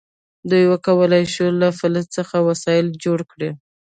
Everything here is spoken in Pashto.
دوی وکولی شول له فلز څخه وسایل جوړ کړي.